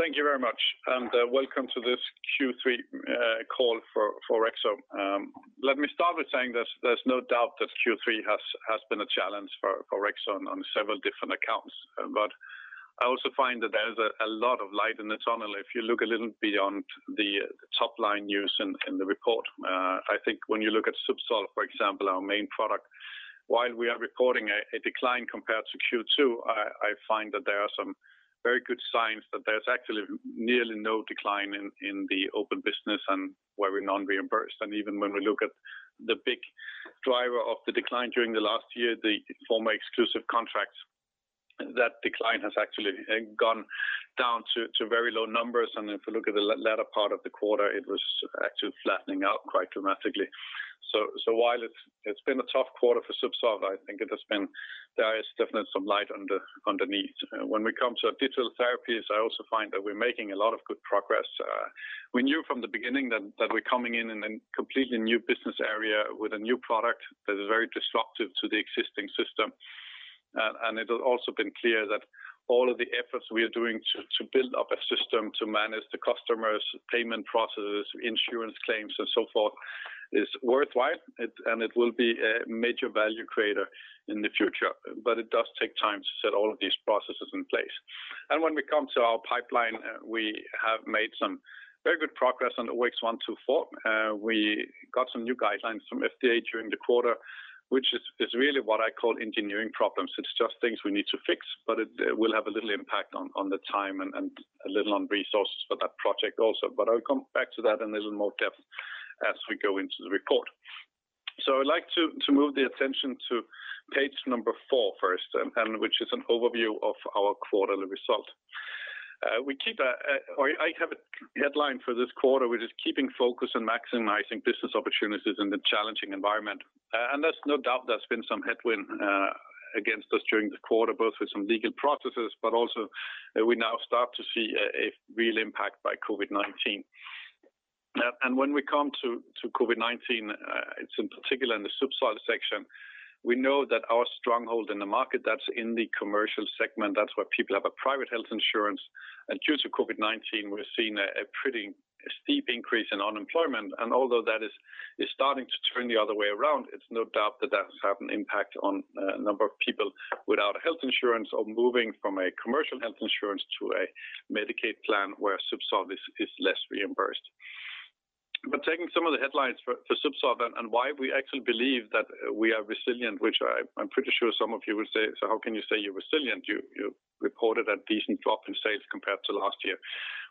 Thank you very much, and welcome to this Q3 call for Orexo. Let me start with saying this, there's no doubt that Q3 has been a challenge for Orexo on several different accounts. I also find that there's a lot of light in the tunnel if you look a little beyond the top-line news in the report. I think when you look at Zubsolv, for example, our main product, while we are reporting a decline compared to Q2, I find that there are some very good signs that there's actually nearly no decline in the open business and where we're non-reimbursed. Even when we look at the big driver of the decline during the last year, the former exclusive contracts, that decline has actually gone down to very low numbers. If you look at the latter part of the quarter, it was actually flattening out quite dramatically. While it's been a tough quarter for Zubsolv, I think there is definitely some light underneath. When we come to Digital Therapies, I also find that we're making a lot of good progress. We knew from the beginning that we're coming in in a completely new business area with a new product that is very disruptive to the existing system. It has also been clear that all of the efforts we are doing to build up a system to manage the customers' payment processes, insurance claims, and so forth is worthwhile, and it will be a major value creator in the future. It does take time to set all of these processes in place. When we come to our Pipeline, we have made some very good progress on the OX124. We got some new guidelines from FDA during the quarter, which is really what I call engineering problems. It's just things we need to fix. It will have a little impact on the time and a little on resources for that project also. I'll come back to that in a little more depth as we go into the report. I'd like to move the attention to page number four first, and which is an overview of our quarterly result. I have a headline for this quarter, which is keeping focus on maximizing business opportunities in the challenging environment. There's no doubt there's been some headwind against us during the quarter, both with some legal processes, but also, we now start to see a real impact by COVID-19. When we come to COVID-19, it's in particular in the Zubsolv section. We know that our stronghold in the market, that's in the commercial segment, that's where people have a private health insurance. Due to COVID-19, we're seeing a pretty steep increase in unemployment. Although that is starting to turn the other way around, it's no doubt that that's had an impact on a number of people without health insurance or moving from a commercial health insurance to a Medicaid plan where Zubsolv is less reimbursed. Taking some of the headlines for Zubsolv and why we actually believe that we are resilient, which I'm pretty sure some of you will say, "So how can you say you're resilient? You reported a decent drop in sales compared to last year.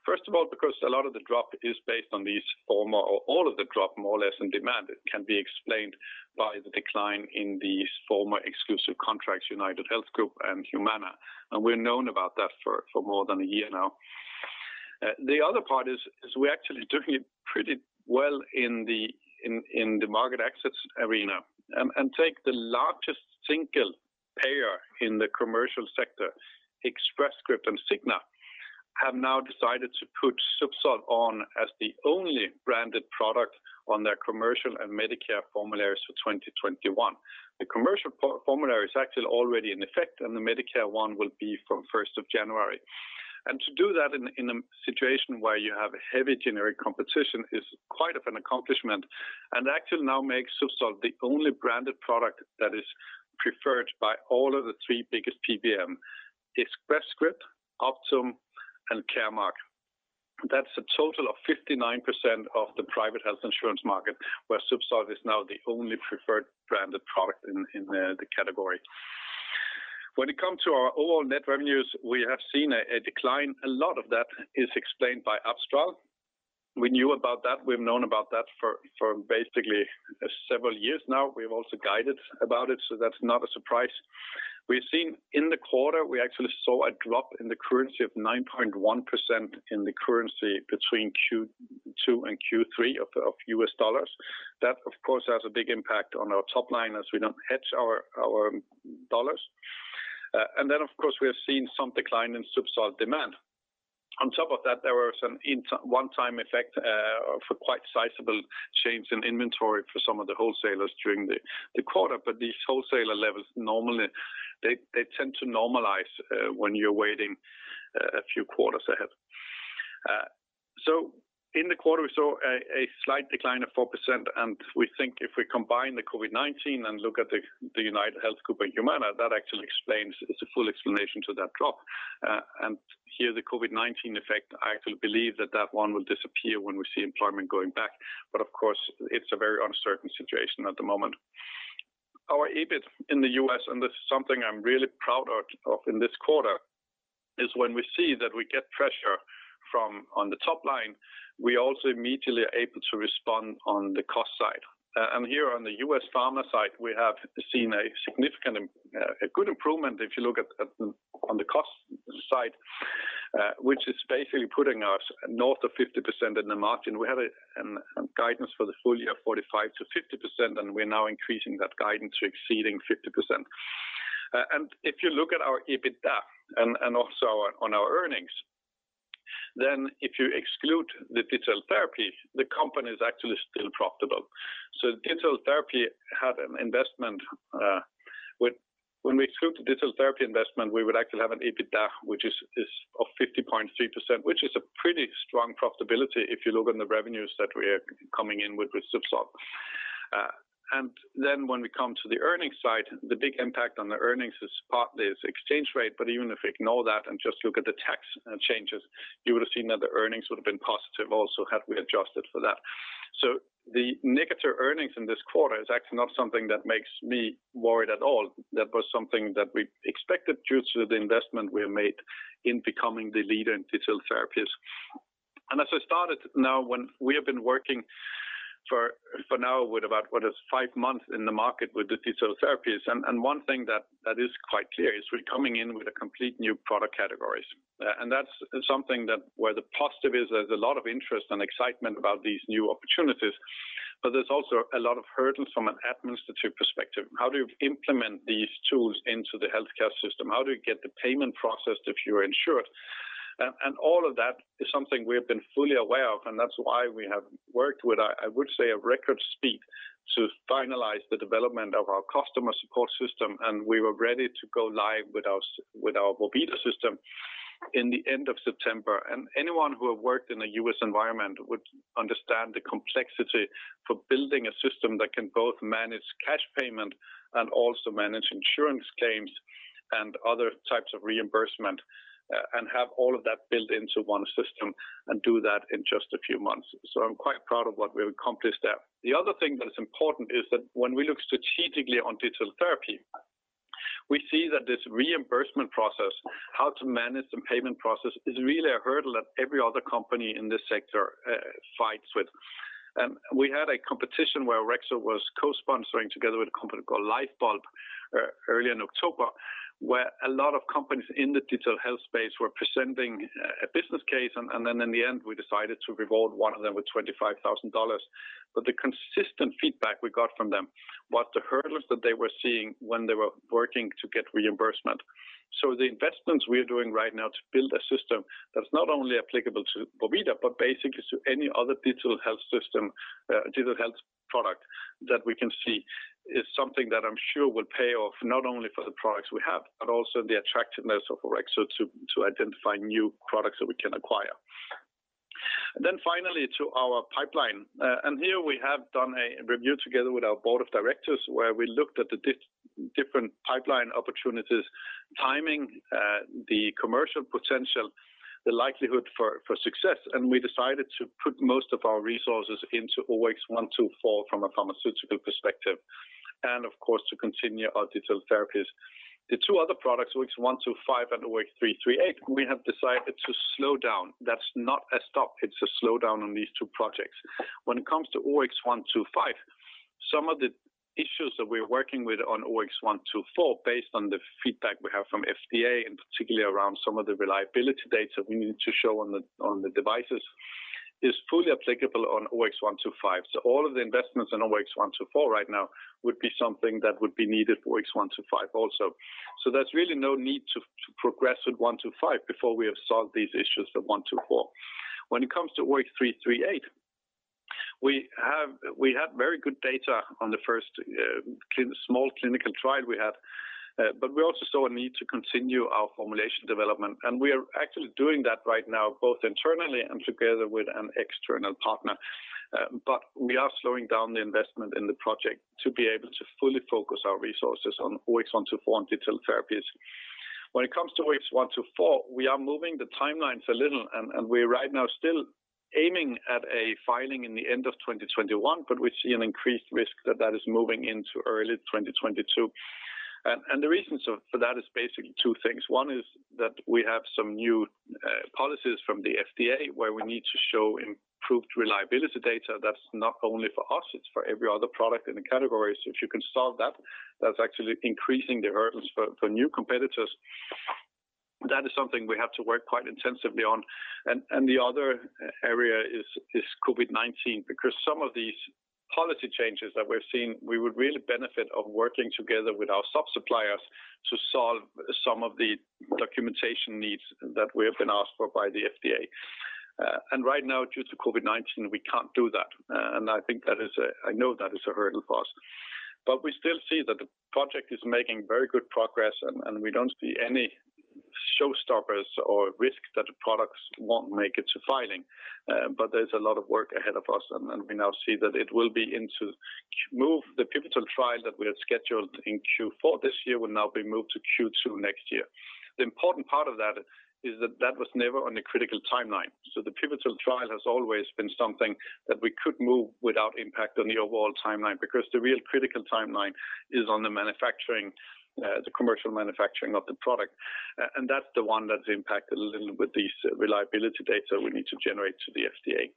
First of all, because a lot of the drop is based on these former, or all of the drop, more or less, in demand can be explained by the decline in these former exclusive contracts, UnitedHealth Group and Humana, and we've known about that for more than one year now. The other part is we're actually doing pretty well in the market access arena. Take the largest single payer in the commercial sector, Express Scripts and Cigna, have now decided to put Zubsolv on as the only branded product on their commercial and Medicare formularies for 2021. The commercial formulary is actually already in effect, and the Medicare one will be from January 1st. To do that in a situation where you have heavy generic competition is quite of an accomplishment and actually now makes Zubsolv the only branded product that is preferred by all of the three biggest PBM, Express Scripts, Optum, and Caremark. That's a total of 59% of the private health insurance market, where Zubsolv is now the only preferred branded product in the category. When it comes to our overall net revenues, we have seen a decline. A lot of that is explained by Abstral. We knew about that. We've known about that for basically several years now. We've also guided about it, that's not a surprise. We've seen in the quarter, we actually saw a drop in the currency of 9.1% in the currency between Q2 and Q3 of U.S. Dollars. That, of course, has a big impact on our top line as we don't hedge our dollars. Then, of course, we have seen some decline in Zubsolv demand. On top of that, there were some one-time effect for quite sizable change in inventory for some of the wholesalers during the quarter. These wholesaler levels, normally, they tend to normalize when you're waiting a few quarters ahead. In the quarter, we saw a slight decline of 4%, and we think if we combine the COVID-19 and look at the UnitedHealth Group and Humana, that actually explains, it's a full explanation to that drop. Here, the COVID-19 effect, I actually believe that one will disappear when we see employment going back. Of course, it's a very uncertain situation at the moment. Our EBIT in the U.S., this is something I'm really proud of in this quarter, is when we see that we get pressure on the top line, we're also immediately able to respond on the cost side. Here on the U.S. Pharma side, we have seen a significant, a good improvement if you look on the cost side, which is basically putting us north of 50% in the margin. We have a guidance for the full year, 45%-50%, we're now increasing that guidance to exceeding 50%. If you look at our EBITDA and also on our earnings. If you exclude the digital therapy, the company is actually still profitable. Digital therapy had an investment. When we exclude the digital therapy investment, we would actually have an EBITDA, which is of 50.3%, which is a pretty strong profitability if you look on the revenues that we are coming in with Zubsolv. When we come to the earnings side, the big impact on the earnings is partly is exchange rate, even if we ignore that and just look at the tax changes, you would have seen that the earnings would have been positive also had we adjusted for that. The negative earnings in this quarter is actually not something that makes me worried at all. That was something that we expected due to the investment we have made in becoming the leader in Digital Therapies. As I started now, when we have been working for now with about what is five months in the market with the Digital Therapies, one thing that is quite clear is we're coming in with a complete new product categories. That's something that where the positive is there's a lot of interest and excitement about these new opportunities, but there's also a lot of hurdles from an administrative perspective. How do you implement these tools into the healthcare system? How do you get the payment processed if you're insured? All of that is something we have been fully aware of, that's why we have worked with, I would say, a record speed to finalize the development of our customer support system. We were ready to go live with our vorvida system in the end of September. Anyone who have worked in a U.S. environment would understand the complexity for building a system that can both manage cash payment and also manage insurance claims and other types of reimbursement, and have all of that built into one system and do that in just a few months. I'm quite proud of what we've accomplished there. The other thing that is important is that when we look strategically on digital therapy, we see that this reimbursement process, how to manage the payment process, is really a hurdle that every other company in this sector fights with. We had a competition where Orexo was co-sponsoring together with a company called Lyfebulb early in October, where a lot of companies in the digital health space were presenting a business case, and then in the end, we decided to reward one of them with SEK 25,000. The consistent feedback we got from them was the hurdles that they were seeing when they were working to get reimbursement. The investments we are doing right now to build a system that's not only applicable to vorvida, but basically to any other digital health system, digital health product that we can see is something that I am sure will pay off, not only for the products we have, but also the attractiveness of Orexo to identify new products that we can acquire. Finally, to our Pipeline. Here we have done a review together with our board of directors, where we looked at the different Pipeline opportunities, timing, the commercial potential, the likelihood for success. We decided to put most of our resources into OX124 from a pharmaceutical perspective, and of course, to continue our Digital Therapies. The two other products, OX125 and OX338, we have decided to slow down. That's not a stop. It's a slowdown on these two projects. When it comes to OX125, some of the issues that we're working with on OX124, based on the feedback we have from FDA, and particularly around some of the reliability data we need to show on the devices, is fully applicable on OX125. All of the investments on OX124 right now would be something that would be needed for OX125 also. There's really no need to progress with 125 before we have solved these issues for 124. When it comes to OX338, we have very good data on the first small clinical trial we had, we also saw a need to continue our formulation development. We are actually doing that right now, both internally and together with an external partner. We are slowing down the investment in the project to be able to fully focus our resources on OX124 and Digital Therapies. When it comes to OX124, we are moving the timelines a little, and we're right now still aiming at a filing in the end of 2021, but we see an increased risk that that is moving into early 2022. The reasons for that is basically two things. One is that we have some new policies from the FDA where we need to show improved reliability data, that's not only for us, it's for every other product in the category. If you can solve that's actually increasing the hurdles for new competitors. That is something we have to work quite intensively on. The other area is COVID-19, because some of these policy changes that we're seeing, we would really benefit of working together with our sub-suppliers to solve some of the documentation needs that we have been asked for by the FDA. Right now, due to COVID-19, we can't do that. I know that is a hurdle for us. We still see that the project is making very good progress, and we don't see any showstoppers or risks that the products won't make it to filing. There's a lot of work ahead of us, and we now see that the pivotal trial that we have scheduled in Q4 this year will now be moved to Q2 next year. The important part of that is that that was never on the critical timeline. The pivotal trial has always been something that we could move without impact on the overall timeline, because the real critical timeline is on the commercial manufacturing of the product. That's the one that's impacted a little with these reliability data we need to generate to the FDA.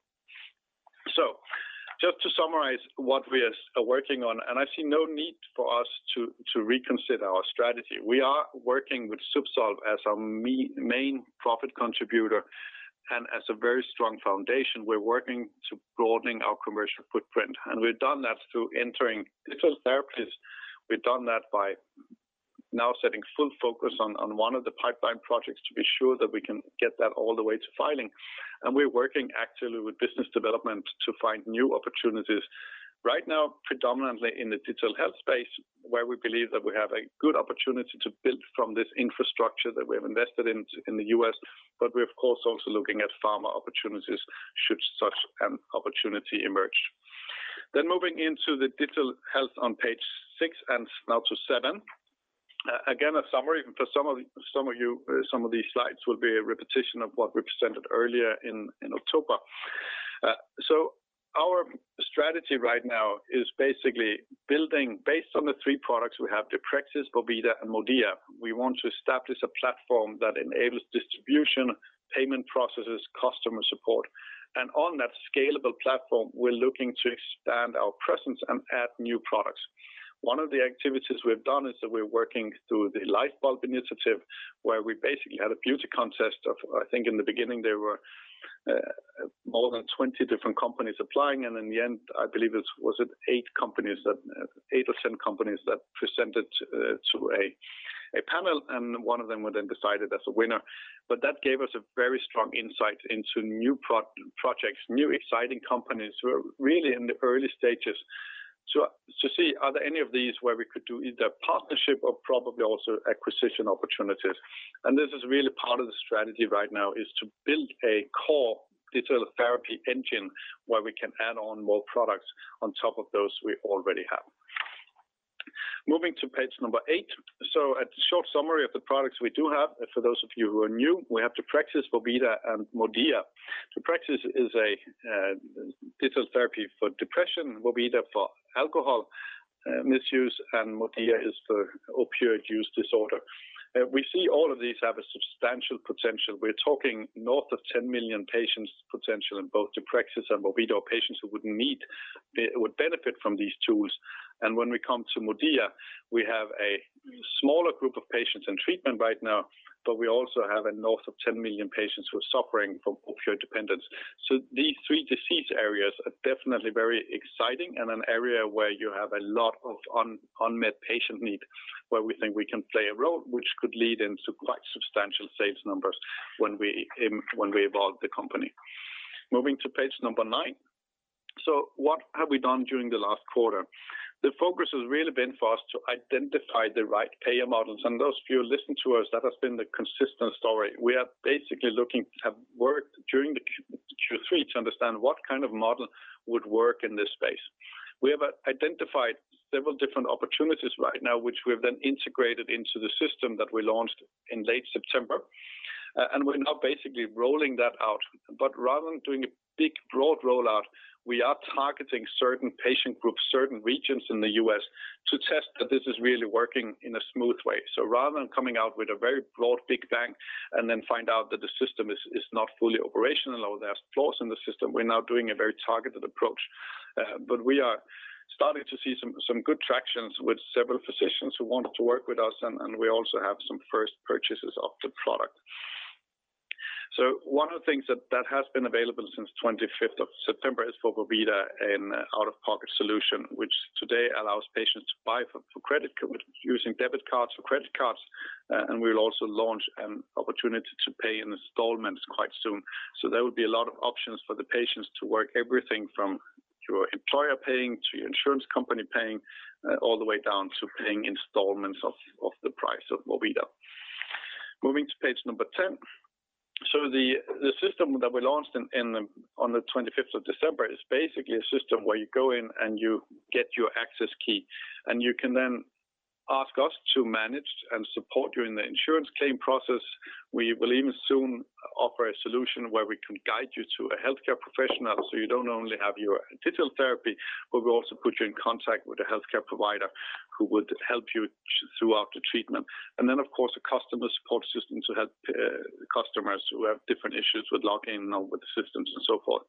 Just to summarize what we are working on, and I see no need for us to reconsider our strategy. We are working with Zubsolv as our main profit contributor and as a very strong foundation. We're working to broadening our commercial footprint, and we've done that through entering Digital Therapies. We've done that by now setting full focus on one of the Pipeline projects to be sure that we can get that all the way to filing. We're working actively with business development to find new opportunities. Right now, predominantly in the digital health space, where we believe that we have a good opportunity to build from this infrastructure that we have invested in the U.S., but we're of course also looking at Pharma opportunities should such an opportunity emerge. Moving into the digital health on page six and now to seven. Again, a summary. For some of you, some of these slides will be a repetition of what we presented earlier in October. Our strategy right now is basically building based on the three products we have, Deprexis, vorvida, and MODIA. We want to establish a platform that enables distribution, payment processes, customer support. On that scalable platform, we're looking to expand our presence and add new products. One of the activities we've done is that we're working through the Lyfebulb initiative, where we basically had a beauty contest of, I think in the beginning, there were more than 20 different companies applying, and in the end, I believe it was eight or 10 companies that presented to a panel, and one of them were then decided as a winner. That gave us a very strong insight into new projects, new exciting companies who are really in the early stages to see, are there any of these where we could do either partnership or probably also acquisition opportunities. This is really part of the strategy right now is to build a core digital therapy engine where we can add on more products on top of those we already have. Moving to page number eight. A short summary of the products we do have, for those of you who are new, we have Deprexis, vorvida, and MODIA. Deprexis is a digital therapy for depression, vorvida for alcohol misuse, and MODIA is for opioid use disorder. We see all of these have substantial potential. We're talking north of 10 million patients potential in both Deprexis and vorvida, or patients who would benefit from these tools. When we come to MODIA, we have a smaller group of patients in treatment right now, but we also have a num, ber of 10 million patients who are suffering from opioid dependence. These three disease areas are definitely very exciting and an area where you have a lot of unmet patient needs, where we think we can play a role, which could lead into quite substantial sales numbers when we evolve the company. Moving to page number nine. What have we done during the last quarter? The focus has really been for us to identify the right payer models. Those of you listening to us, that has been the consistent story. We are basically looking to have worked during the Q3 to understand what kind of model would work in this space. We have identified several different opportunities right now, which we have then integrated into the system that we launched in late September. We're now basically rolling that out. Rather than doing a big broad rollout, we are targeting certain patient groups, certain regions in the U.S., to test that this is really working in a smooth way. Rather than coming out with a very broad big bang and then find out that the system is not fully operational or there are flaws in the system, we're now doing a very targeted approach. We are starting to see some good traction with several physicians who want to work with us, and we also have some first purchases of the product. One of the things that has been available since September 25th is for vorvida, an out-of-pocket solution, which today allows patients to buy using debit cards or credit cards, and we'll also launch an opportunity to pay in installments quite soon. There will be a lot of options for the patients to work everything from your employer paying, to your insurance company paying, all the way down to paying installments of the price of vorvida. Moving to page number 10. The system that we launched on December 25th is basically a system where you go in, and you get your access key, and you can then ask us to manage and support you in the insurance claim process. We will even soon offer a solution where we can guide you to a healthcare professional, so you don't only have your digital therapy, but we also put you in contact with a healthcare provider who would help you throughout the treatment. Of course, a customer support system to help customers who have different issues with login or with the systems, and so forth.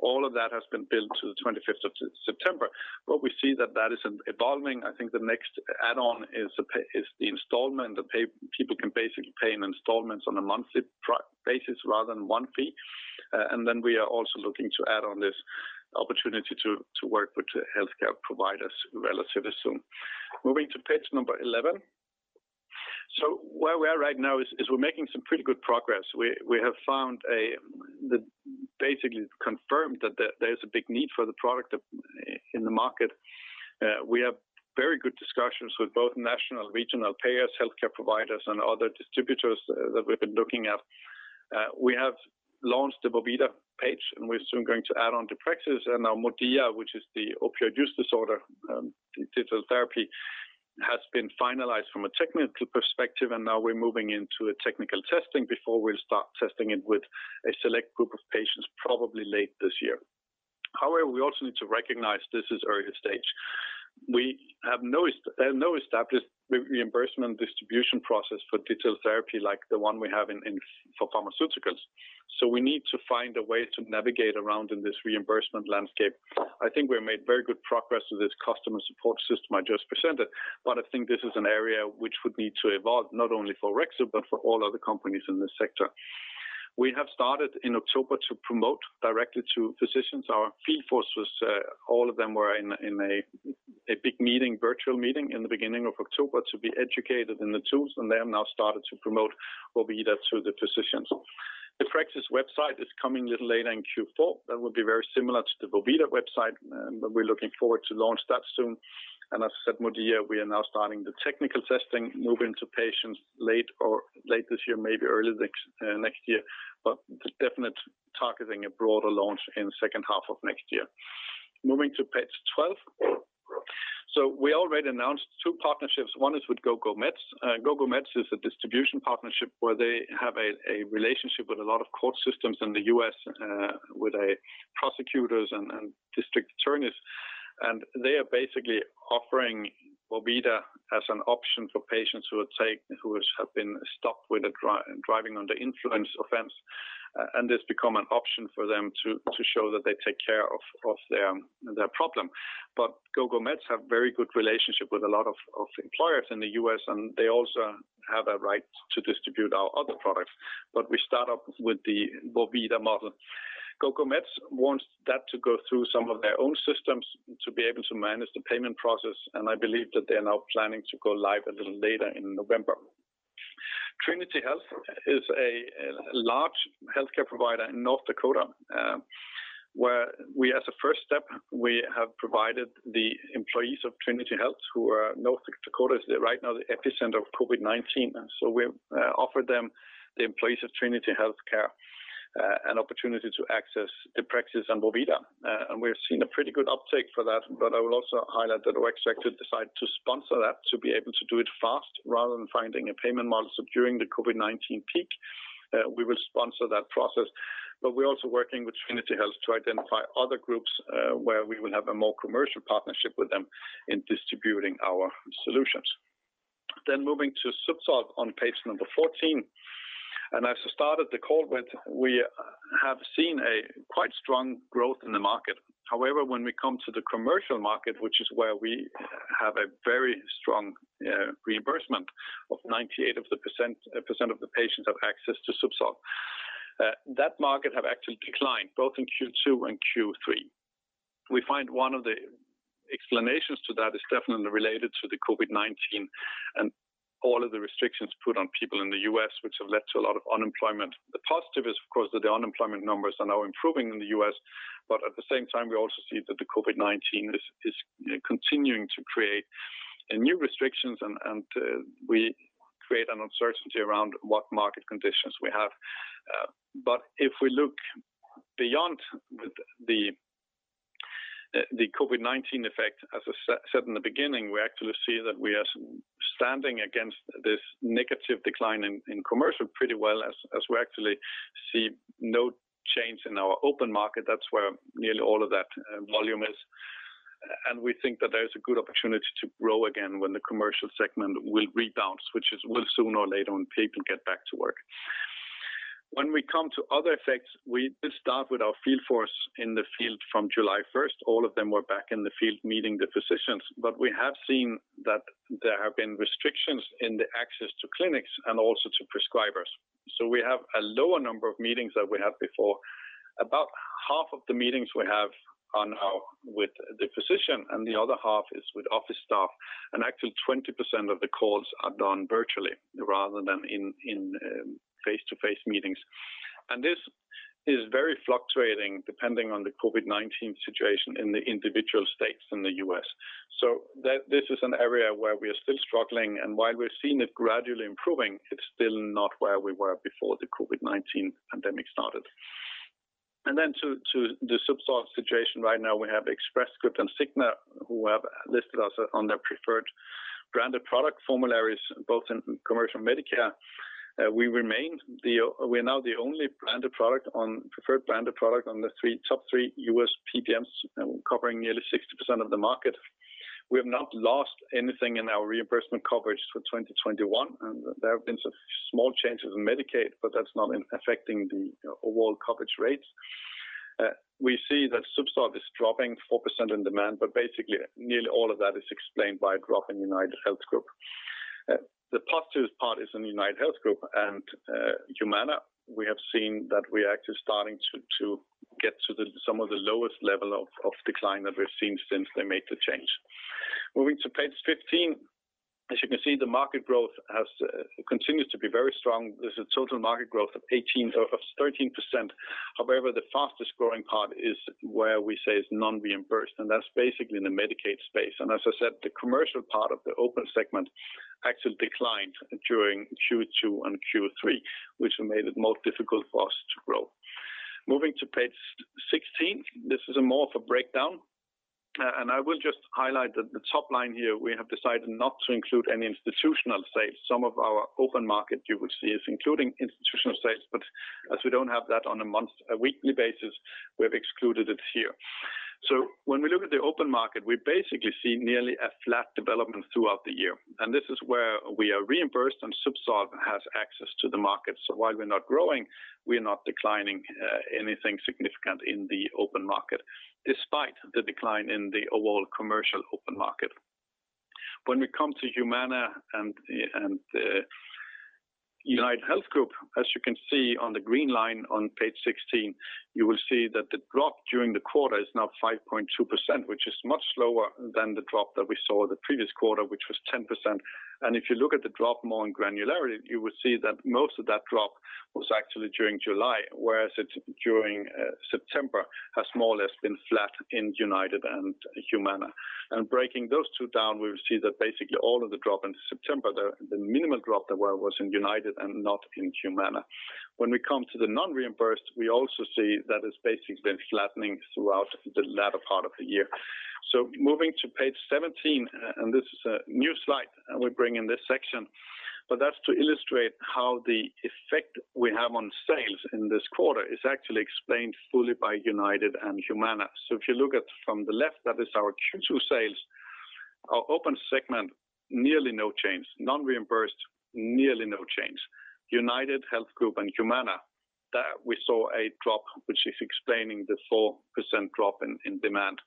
All of that has been built to September 25th. We see that is evolving. I think the next add-on is the installment. People can basically pay in installments on a monthly basis rather than one fee. We are also looking to add on this opportunity to work with healthcare providers relatively soon. Moving to page number 11. Where we are right now is we're making some pretty good progress. We have basically confirmed that there's a big need for the product in the market. We have very good discussions with both national and regional payers, healthcare providers, and other distributors that we've been looking at. We have launched the vorvida page, and we're soon going to add on Deprexis and now MODIA, which is the opioid use disorder digital therapy, has been finalized from a technical perspective, and now we're moving into technical testing before we'll start testing it with a select group of patients probably, late this year. However, we also need to recognize this is an early stage. We have no established reimbursement distribution process for digital therapy like the one we have for pharmaceuticals. We need to find a way to navigate around in this reimbursement landscape. I think we've made very good progress with this customer support system I just presented, but I think this is an area which would need to evolve, not only for Orexo but for all other companies in this sector. We have started in October to promote directly to physicians. Our field force was, all of them were in a big virtual meeting in the beginning of October to be educated in the tools, and they have now started to promote vorvida to the physicians. Deprexis website is coming a little later in Q4. That will be very similar to the vorvida website, and we're looking forward to launch that soon. As I said, MODIA, we are now starting the technical testing, moving to patients late this year, maybe early next year. Definite targeting a broader launch in the second half of next year. Moving to page 12. We already announced two partnerships. One is with GoGoMeds. GoGoMeds is a distribution partnership where they have a relationship with a lot of court systems in the U.S., with prosecutors and district attorneys. They are basically offering MODIA as an option for patients who have been stopped with a driving under influence offense. It's become an option for them to show that they take care of their problem. GoGoMeds have very good relationship with a lot of employers in the U.S., and they also have a right to distribute our other products. We start off with the MODIA model. GoGoMeds wants that to go through some of their own systems to be able to manage the payment process. I believe that they are now planning to go live a little later in November. Trinity Health is a large healthcare provider in North Dakota, where as a first step, we have provided the employees of Trinity Health who are North Dakota's right now the epicenter of COVID-19. We offered them, the employees of Trinity Health, an opportunity to access Deprexis and vorvida. We've seen a pretty good uptake for that. I will also highlight that Orexo decided to sponsor that to be able to do it fast rather than finding a payment model. During the COVID-19 peak, we will sponsor that process. We're also working with Trinity Health to identify other groups, where we will have a more commercial partnership with them in distributing our solutions. Moving to Zubsolv on page number 14. As I started the call with, we have seen a quite strong growth in the market. However, when we come to the commercial market, which is where we have a very strong reimbursement of 98% of the patients have access to Zubsolv. That market have actually declined both in Q2 and Q3. We find one of the explanations to that is definitely related to the COVID-19 and all of the restrictions put on people in the U.S., which have led to a lot of unemployment. The positive is, of course, that the unemployment numbers are now improving in the U.S. At the same time, we also see that COVID-19 is continuing to create new restrictions and we create an uncertainty around what market conditions we have. If we look beyond the COVID-19 effect, as I said in the beginning, we actually see that we are standing against this negative decline in commercial pretty well as we actually see no change in our open market. That's where nearly all of that volume is. We think that there is a good opportunity to grow again when the commercial segment will rebalance, which will sooner or later when people get back to work. We come to other effects, we did start with our field force in the field from July 1st. All of them were back in the field meeting the physicians. We have seen that there have been restrictions in the access to clinics and also to prescribers. We have a lower number of meetings than we had before. About half of the meetings, we have are now with the physician, and the other half is with office staff. Actually, 20% of the calls are done virtually rather than in face-to-face meetings. This is very fluctuating depending on the COVID-19 situation in the individual states in the U.S. This is an area where we are still struggling, and while we're seeing it gradually improving, it's still not where we were before the COVID-19 pandemic started. To the Zubsolv situation right now, we have Express Scripts and Cigna who have listed us on their preferred branded product formularies, both in commercial Medicare. We are now the only preferred branded product on the top three U.S. PBMs, covering nearly 60% of the market. We have not lost anything in our reimbursement coverage for 2021. There have been some small changes in Medicaid. That's not affecting the overall coverage rates. We see that Zubsolv is dropping 4% in demand, but basically, nearly all of that is explained by a drop in UnitedHealth Group. The positive part is in UnitedHealth Group and Humana, we have seen that we are actually starting to get to some of the lowest level of decline that we've seen since they made the change. Moving to page 15. As you can see, the market growth continues to be very strong. There's a total market growth of 13%. However, the fastest-growing part is where we say is non-reimbursed, and that's basically in the Medicaid space. As I said, the commercial part of the open segment actually declined during Q2 and Q3, which made it more difficult for us to grow. Moving to page 16. This is more of a breakdown. I will just highlight that the top line here, we have decided not to include any institutional sales. Some of our open market you will see is including institutional sales, but as we don't have that on a weekly basis, we've excluded it here. When we look at the open market, we basically see nearly a flat development throughout the year. This is where we are reimbursed and Zubsolv has access to the market. While we're not growing, we are not declining anything significant in the open market, despite the decline in the overall commercial open market. When we come to Humana and UnitedHealth Group, as you can see on the green line on page 16, you will see that the drop during the quarter is now 5.2%, which is much slower than the drop that we saw the previous quarter, which was 10%. If you look at the drop more in granularity, you will see that most of that drop was actually during July, whereas during September, has more or less been flat in United and Humana. Breaking those two down, we will see that basically all of the drop in September, the minimal drop there was in United and not in Humana. When we come to the non-reimbursed, we also see that it's basically been flattening throughout the latter part of the year. Moving to page 17, and this is a new slide we bring in this section, but that's to illustrate how the effect we have on sales in this quarter is actually explained fully by UnitedHealth Group and Humana. If you look at from the left, that is our Q2 sales. Our open segment, nearly no change. Non-reimbursed, nearly no change. UnitedHealth Group and Humana, there we saw a drop, which is explaining the 4% drop in demand.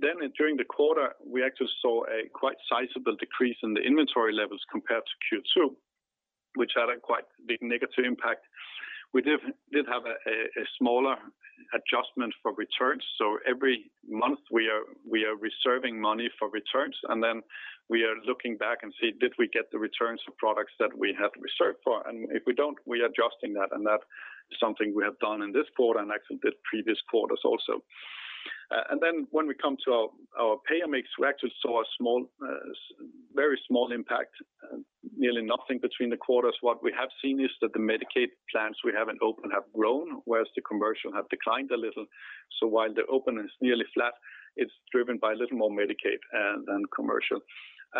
During the quarter, we actually saw a quite sizable decrease in the inventory levels compared to Q2, which had a quite big negative impact. We did have a smaller adjustment for returns. Every month we are reserving money for returns, we are looking back and see, did we get the returns of products that we have reserved for? If we don't, we're adjusting that is something we have done in this quarter and actually the previous quarters also. When we come to our payer mix, we actually saw a very small impact, nearly nothing between the quarters. What we have seen is that the Medicaid plans we have in open have grown, whereas the commercial have declined a little. While the open is nearly flat, it's driven by a little more Medicaid than commercial.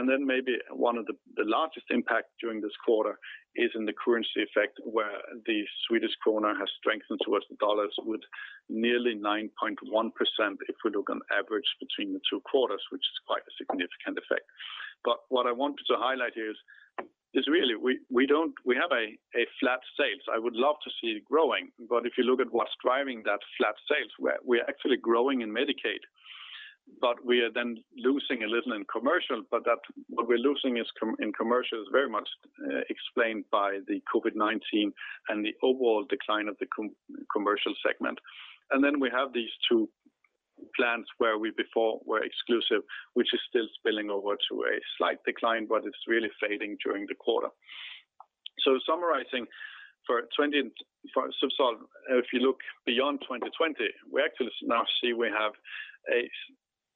Maybe one of the largest impact during this quarter is in the currency effect, where the Swedish Krona has strengthened towards the U.S. dollar with nearly 9.1% if we look on average between the two quarters, which is quite a significant effect. What I wanted to highlight here is really, we have a flat sales. I would love to see it growing. If you look at what's driving that flat sales, we're actually growing in Medicaid, but we are then losing a little in commercial. What we're losing in commercial is very much explained by the COVID-19 and the overall decline of the commercial segment. We have these two plans where we before were exclusive, which is still spilling over to a slight decline, but it's really fading during the quarter. Summarizing for Zubsolv, if you look beyond 2020, we actually now see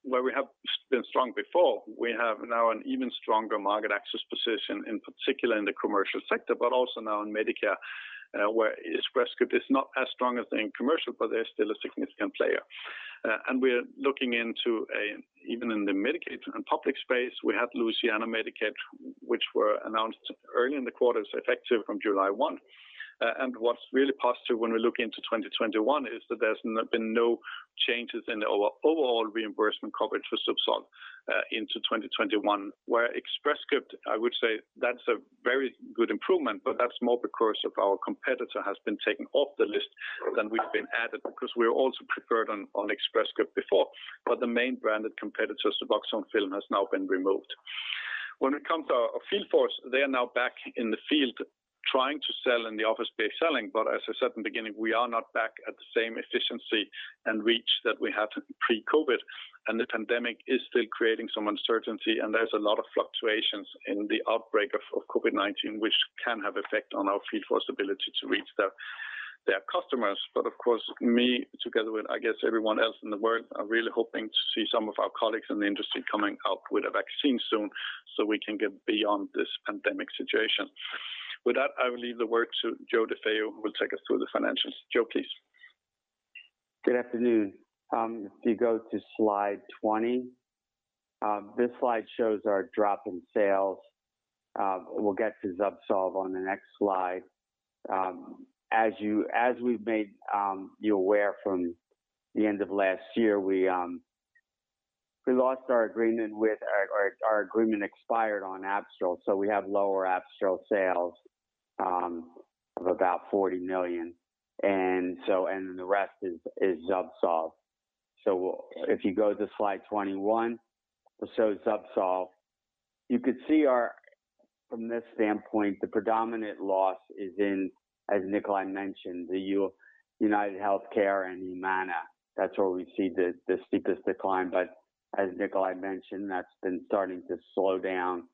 where we have been strong before, we have now an even stronger market access position, in particular in the commercial sector, but also now in Medicare, where Express Scripts is not as strong as in commercial, but they're still a significant player. We're looking into even in the Medicaid and public space, we have Louisiana Medicaid, which were announced early in the quarter, so effective from July 1. What's really positive when we look into 2021 is that there's been no changes in the overall reimbursement coverage for Zubsolv into 2021. Where Express Scripts, I would say that's a very good improvement, but that's more because of our competitor has been taken off the list than we've been added because we're also preferred on Express Scripts before. The main branded competitor, Suboxone Film, has now been removed. When it comes to our field force, they are now back in the field trying to sell in the office-based selling. As I said in the beginning, we are not back at the same efficiency and reach that we had pre-COVID, and the pandemic is still creating some uncertainty, and there's a lot of fluctuations in the outbreak of COVID-19, which can have effect on our field force ability to reach their customers. Of course, me, together with, I guess, everyone else in the world, are really hoping to see some of our colleagues in the industry coming out with a vaccine soon so we can get beyond this pandemic situation. With that, I will leave the work to Joe DeFeo, who will take us through the financials. Joe, please. Good afternoon. If you go to slide 20, this slide shows our drop in sales. We'll get to Zubsolv on the next slide. As we've made you aware from the end of last year, our agreement expired on Abstral. We have lower Abstral sales of about 40 million. The rest is Zubsolv. If you go to slide 21, it shows Zubsolv. You could see from this standpoint, the predominant loss is in, as Nikolaj mentioned, the UnitedHealthcare and Humana. That's where we see the steepest decline. As Nikolaj mentioned, that's been starting to slow down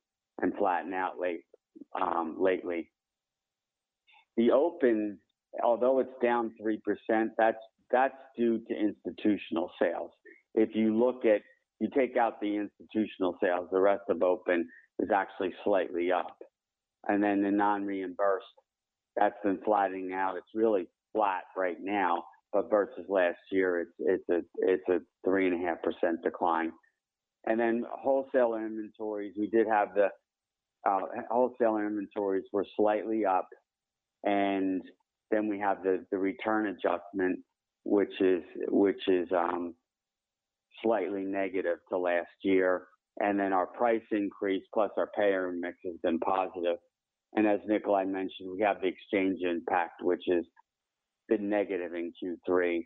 and flatten out lately. The open, although it's down 3%, that's due to institutional sales. If you take out the institutional sales, the rest of open is actually slightly up. The non-reimbursed, that's been flattening out. It's really flat right now. Versus last year, it's a 3.5% decline. Wholesale inventories were slightly up, we have the return adjustment, which is slightly negative to last year. Our price increase plus our payer mix has been positive. As Nikolaj mentioned, we have the exchange impact which has been negative in Q3.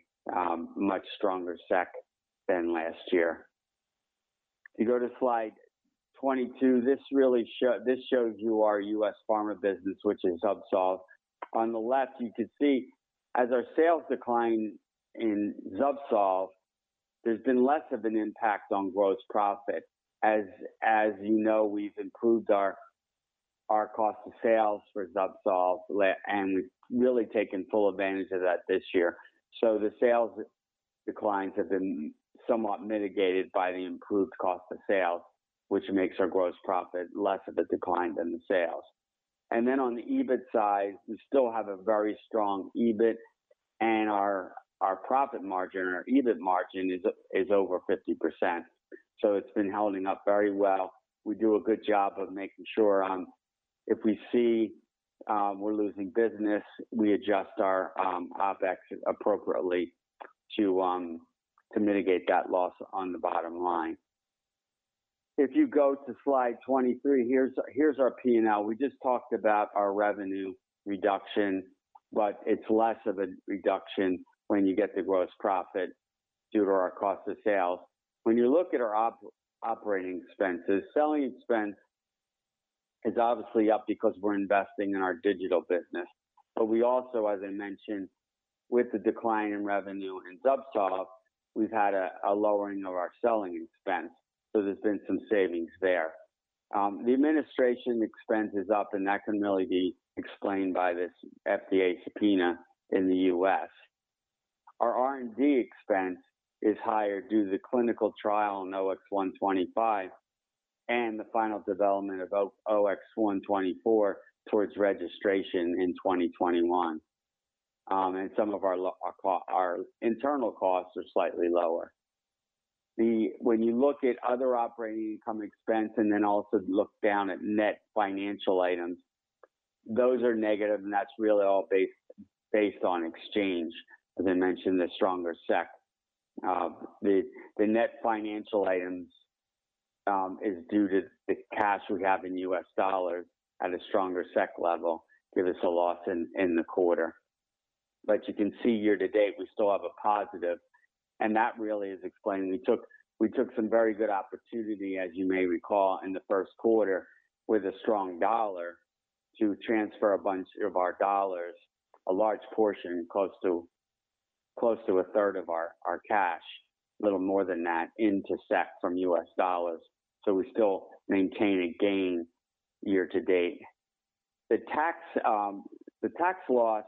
Much stronger SEK than last year. If you go to slide 22, this shows you our U.S. Pharma business, which is Zubsolv. On the left, you can see as our sales decline in Zubsolv, there's been less of an impact on gross profit. As you know, we've improved our cost of sales for Zubsolv, and we've really taken full advantage of that this year. The sales declines have been somewhat mitigated by the improved cost of sales, which makes our gross profit less of a decline than the sales. On the EBIT side, we still have a very strong EBIT, and our profit margin or EBIT margin is over 50%. It's been holding up very well. We do a good job of making sure if we see we're losing business, we adjust our OpEx appropriately to mitigate that loss on the bottom line. If you go to slide 23, here's our P&L. We just talked about our revenue reduction, but it's less of a reduction when you get the gross profit due to our cost of sales. When you look at our operating expenses, selling expense is obviously up because we're investing in our digital business. We also, as I mentioned, with the decline in revenue in Zubsolv, we've had a lowering of our selling expense, so there's been some savings there. The administration expense is up. That can really be explained by this FDA subpoena in the U.S. Our R&D expense is higher due to the clinical trial in OX125 and the final development of OX124 towards registration in 2021. Some of our internal costs are slightly lower. When you look at other operating income expenses, then also look down at net financial items, those are negative. That's really all based on exchange, as I mentioned, the stronger SEK. The net financial items is due to the cash we have in U.S. dollars at a stronger SEK level, give us a loss in the quarter. You can see year-to-date, we still have a positive. That really is explained. We took some very good opportunities, as you may recall, in the first quarter with a strong US dollar to transfer a bunch of our US dollars, a large portion, close to a third of our cash, a little more than that, into SEK from U.S. dollars. We still maintain a gain year-to-date. The tax loss,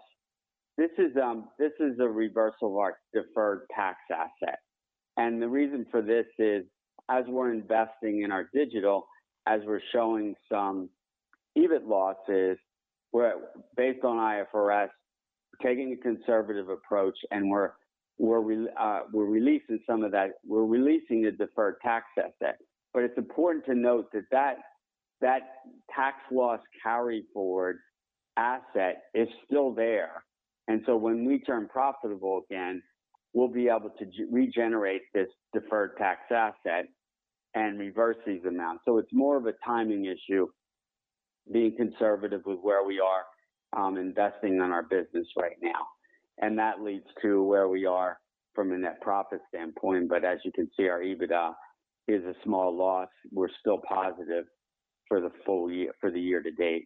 this is a reversal of our deferred tax asset. The reason for this is as we're investing in our digital, as we're showing some EBIT losses, based on IFRS, we're taking a conservative approach, and we're releasing the deferred tax asset. It's important to note that the tax loss carryforward asset is still there. When we turn profitable again, we'll be able to regenerate this deferred tax asset and reverse these amounts. It's more of a timing issue, being conservative with where we are investing in our business right now. That leads to where we are from a net profit standpoint. As you can see, our EBITDA is a small loss. We're still positive for the year-to-date.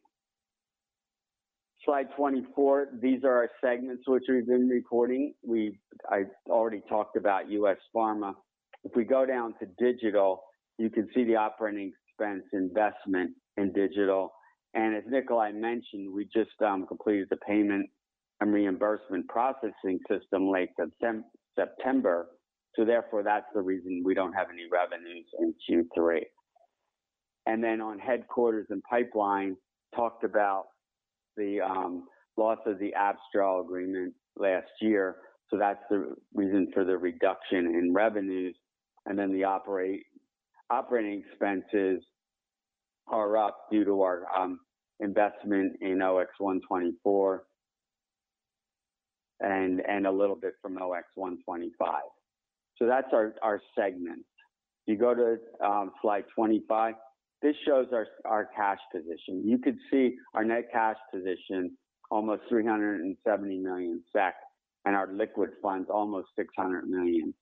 Slide 24. These are our segments, which we've been reporting. I already talked about U.S. Pharma. If we go down to Digital, you can see the operating expense investment in Digital. As Nikolaj mentioned, we just completed the payment and reimbursement processing system late September. Therefore, that's the reason we don't have any revenues in Q3. Then on Headquarters and Pipeline, talked about the loss of the Abstral agreement last year. That's the reason for the reduction in revenues. The operating expenses are up due to our investment in OX124 and a little bit from OX125. That's our segment. You go to slide 25. This shows our cash position. You could see our net cash position, almost 370 million SEK, and our liquid funds, almost 600 million.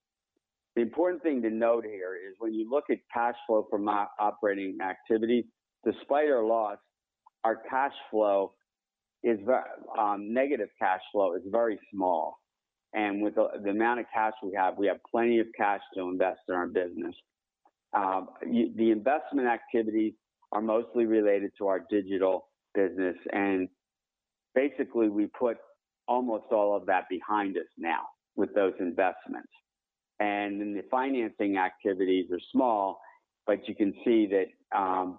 The important thing to note here is when you look at cash flow from operating activities, despite our loss, our negative cash flow is very small. With the amount of cash we have, we have plenty of cash to invest in our business. The investment activities are mostly related to our digital business, and basically, we put almost all of that behind us now with those investments. The financing activities are small, but you can see that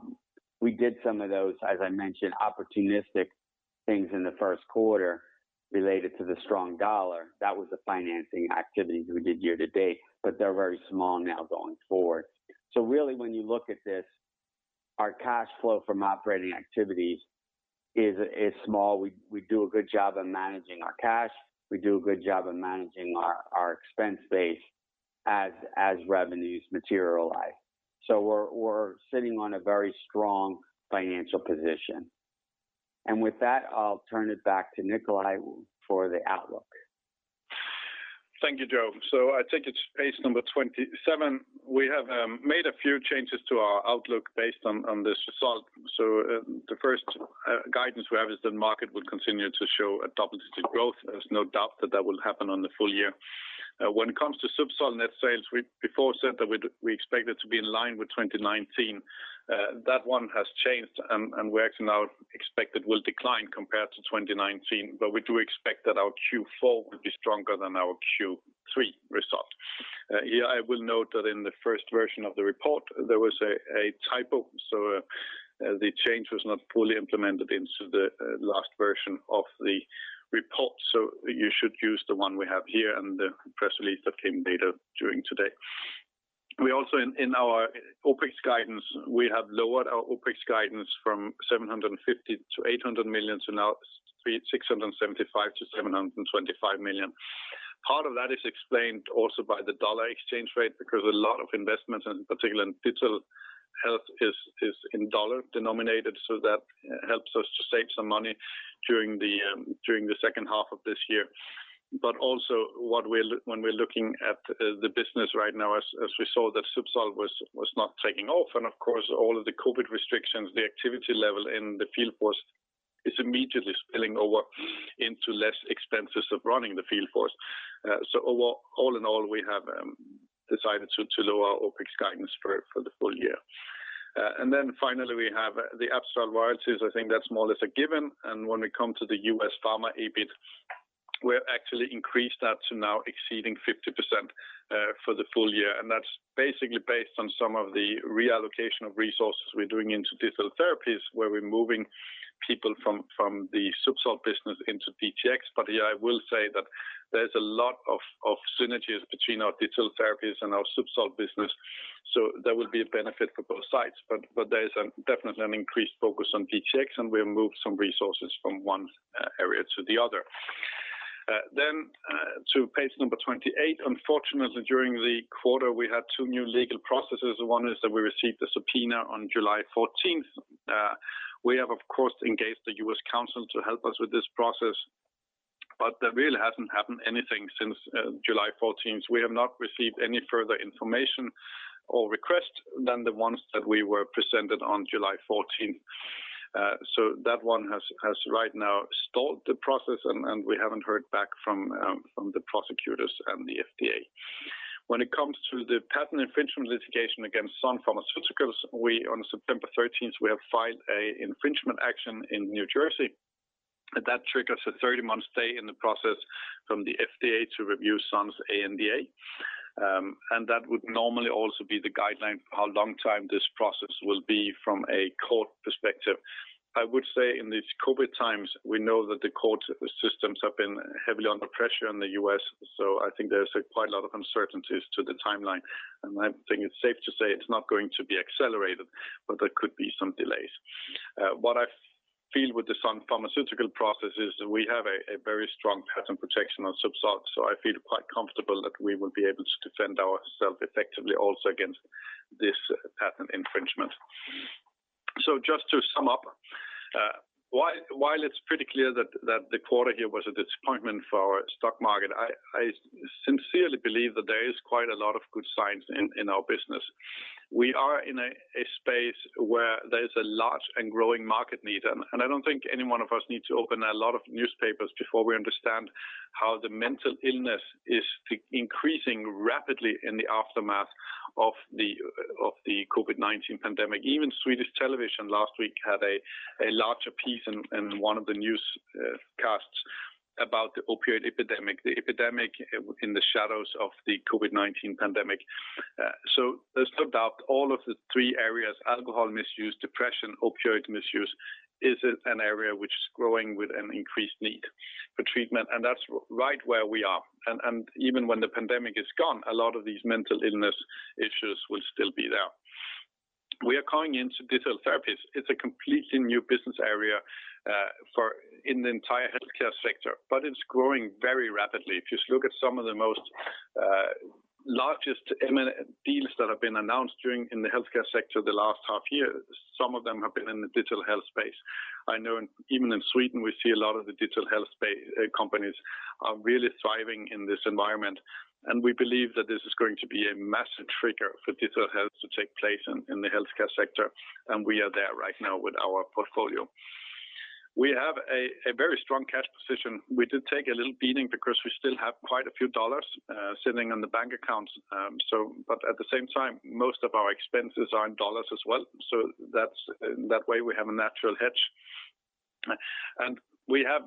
we did some of those, as I mentioned, opportunistic things in the first quarter related to the strong U.S. dollar. That was the financing activities we did year-to-date, they're very small now going forward. Really, when you look at this, our cash flow from operating activities is small. We do a good job of managing our cash. We do a good job of managing our expense base. As revenues materialize. We're sitting on a very strong financial position. With that, I'll turn it back to Nikolaj for the outlook. Thank you, Joe. I think it's page number 27. We have made a few changes to our outlook based on this result. The first guidance we have is that the market will continue to show a double-digit growth. There's no doubt that that will happen on the full year. When it comes to Zubsolv net sales, we before said that we expected to be in line with 2019. That one has changed, we actually now expect it will decline compared to 2019. We do expect that our Q4 will be stronger than our Q3 results. Here, I will note that in the first version of the report, there was a typo, the change was not fully implemented into the last version of the report. You should use the one we have here and the press release that came later during today. We also, in our OpEx guidance, have lowered our OpEx guidance from 750 million-800 million to now 675 million-725 million. Part of that is explained also by the dollar exchange rate, because a lot of investments, in particular in digital health, is in dollar denominated, that helps us to save some money during the second half of this year. Also, when we're looking at the business right now, as we saw that Zubsolv was not taking off, and of course, all of the COVID restrictions, the activity level in the field force is immediately spilling over into less expenses of running the field force. All in all, we have decided to lower our OpEx guidance for the full year. Finally, we have the Abstral royalties. I think that's more or less a given. When we come to the U.S. Pharma EBIT, we've actually increased that to now exceeding 50% for the full year. That's basically based on some of the reallocation of resources we're doing into Digital Therapies, where we're moving people from the Zubsolv business into DTx. Here, I will say that there's a lot of synergies between our Digital Therapies and our Zubsolv business, so there will be a benefit for both sides. There is definitely an increased focus on DTx, and we have moved some resources from one area to the other. To page number 28, unfortunately, during the quarter, we had two new legal processes. One is that we received a subpoena on July 14th. We have, of course, engaged the U.S. counsel to help us with this process. There really hasn't happened anything since July 14th. We have not received any further information or requests than the ones that we were presented on July 14th. That one has right now stalled the process, and we haven't heard back from the prosecutors and the FDA. When it comes to the patent infringement litigation against Sun Pharmaceutical Industries, we on September 13th have filed an infringement action in New Jersey. That triggers a 30-month stay in the process from the FDA to review Sun's ANDA. That would normally also be the guideline for how long time this process will be from a court perspective. I would say in these COVID times, we know that the court systems have been heavily under pressure in the U.S., so I think there's quite a lot of uncertainties to the timeline, and I think it's safe to say it's not going to be accelerated, but there could be some delays. What I feel with the Sun Pharmaceutical process is we have a very strong patent protection on Zubsolv. I feel quite comfortable that we will be able to defend ourselves effectively, also against this patent infringement. Just to sum up. While it's pretty clear that the quarter here was a disappointment for our stock market, I sincerely believe that there is quite a lot of good signs in our business. We are in a space where there's a large and growing market need. I don't think any one of us needs to open a lot of newspapers before we understand how the mental illness is increasing rapidly in the aftermath of the COVID-19 pandemic. Even Swedish television last week had a larger piece in one of the newscasts about the opioid epidemic, the epidemic in the shadows of the COVID-19 pandemic. There's no doubt all of the three areas, alcohol misuse, depression, opioid misuse, is an area which is growing with an increased need for treatment, and that's right where we are. Even when the pandemic is gone, a lot of these mental illness issues will still be there. We are coming into Digital Therapies. It's a completely new business area in the entire healthcare sector, but it's growing very rapidly. If you look at some of the most largest M&A deals that have been announced in the healthcare sector the last half year, some of them have been in the digital health space. I know even in Sweden, we see a lot of the digital health companies are really thriving in this environment. We believe that this is going to be a massive trigger for digital health to take place in the healthcare sector, and we are there right now with our portfolio. We have a very strong cash position. We did take a little beating because we still have quite a few dollars sitting in the bank accounts. At the same time, most of our expenses are in dollars as well. That way, we have a natural hedge. We have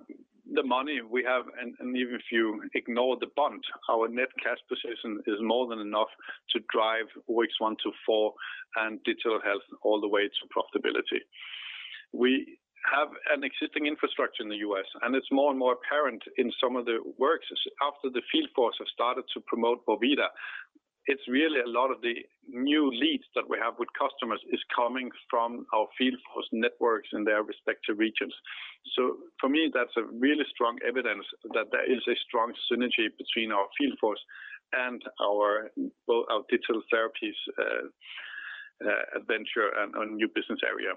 the money, and even if you ignore the bond, our net cash position is more than enough to drive OX124 and digital health all the way to profitability. We have an existing infrastructure in the U.S., and it's more and more apparent in some of the works after the field force have started to promote vorvida. It's really a lot of the new leads that we have with customers is coming from our field force networks in their respective regions. For me, that's a really strong evidence that there is a strong synergy between our field force and our Digital Therapies venture and our new business area.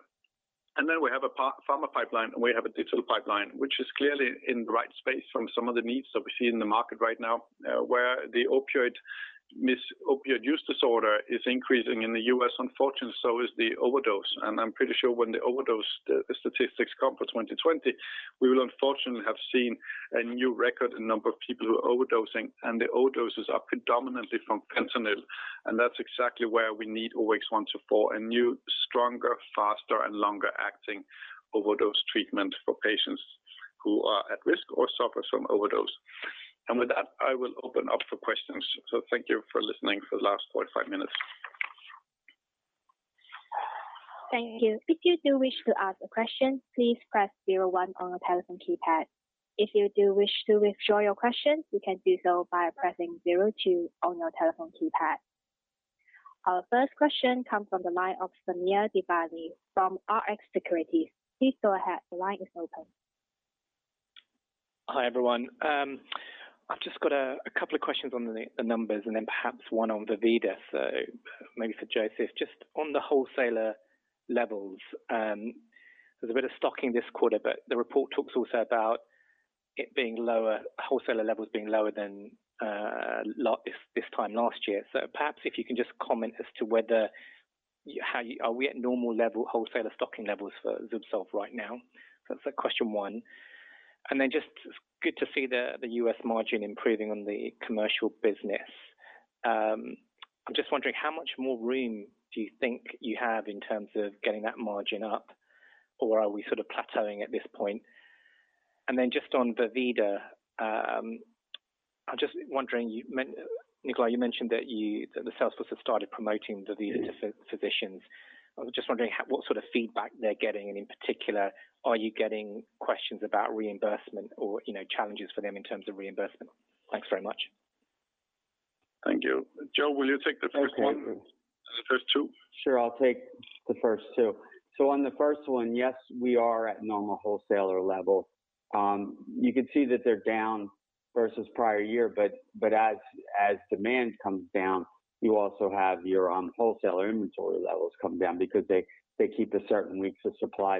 We have a Pharma Pipeline, and we have a Digital Pipeline, which is clearly in the right space from some of the needs that we see in the market right now, where the opioid use disorder is increasing in the U.S. Unfortunately, so is the overdose. I'm pretty sure when the overdose statistics come for 2020, we will unfortunately have seen a new record number of people who are overdosing, and the overdoses are predominantly from fentanyl, and that's exactly where we need OX124, a new, stronger, faster, and longer-acting overdose treatment for patients who are at risk or suffer from overdose. With that, I will open up for questions. Thank you for listening for the last 45 minutes. Thank you. If you do wish to ask questions, please press zero one on your telephone keypad. If you do wish to enjoy your questions, you can do so by pressing zero two on your telephone keypad. Our first question comes from the line of Samir Devani from Rx Securities. Hi, everyone. I've just got a couple of questions on the numbers and then perhaps one on vorvida, so maybe for Joseph. On the wholesaler levels, there's a bit of stocking this quarter, but the report talks also about wholesaler levels being lower than this time last year. Perhaps if you can just comment as to whether, are we at normal level wholesaler stocking levels for Zubsolv right now? That's question one. Good to see the U.S. margin improving on the commercial business. I'm just wondering how much more room do you think you have in terms of getting that margin up, or are we sort of plateauing at this point? On vorvida, I'm just wondering, Nikolaj, you mentioned that the sales force has started promoting vorvida to physicians. I was just wondering what sort of feedback they're getting, and in particular, are you getting questions about reimbursement or challenges for them in terms of reimbursement? Thanks very much. Thank you. Joe, will you take the first one? Okay. The first two? Sure. I'll take the first two. On the first one, yes, we are at the normal wholesaler level. You could see that they're down versus prior year, but as demand comes down, you also have your wholesaler inventory levels come down because they keep a certain weeks of supply.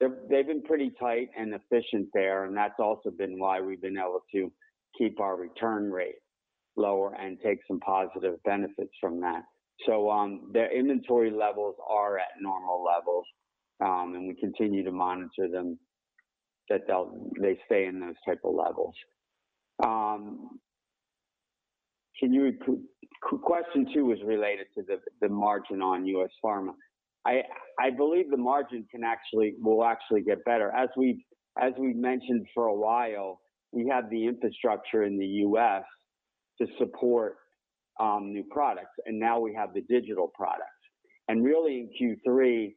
They've been pretty tight and efficient there, and that's also been why we've been able to keep our return rate lower and take some positive benefits from that. Their inventory levels are at normal levels, and we continue to monitor them that they stay in those types of levels. Question two was related to the margin on U.S. Pharma. I believe the margin will actually get better. As we've mentioned for a while, we have the infrastructure in the U.S. to support new products, and now we have the digital product. Really in Q3,